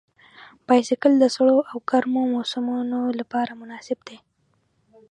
بایسکل د سړو او ګرمو موسمونو لپاره مناسب دی.